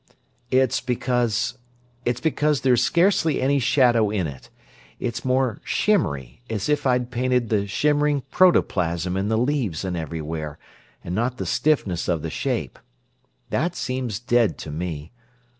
"It's because—it's because there is scarcely any shadow in it; it's more shimmery, as if I'd painted the shimmering protoplasm in the leaves and everywhere, and not the stiffness of the shape. That seems dead to me.